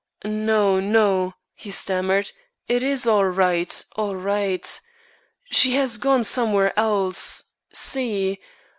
"No, no," he stammered; "it is all right, all right. She has gone somewhere else. See.